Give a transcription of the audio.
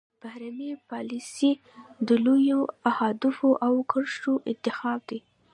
بهرنۍ پالیسي د لویو اهدافو او کرښو انتخاب دی